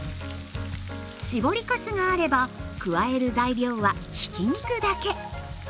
搾りかすがあれば加える材料はひき肉だけ。